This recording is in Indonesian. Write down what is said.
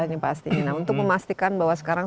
ini pastinya nah untuk memastikan bahwa sekarang